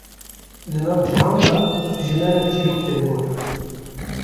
di nav cihan de ji me re çîrok vedigotin